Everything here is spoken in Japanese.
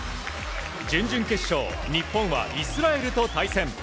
準々決勝日本はイスラエルと対戦。